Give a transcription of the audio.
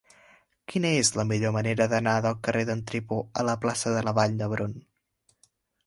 Quina és la millor manera d'anar del carrer d'en Tripó a la plaça de la Vall d'Hebron?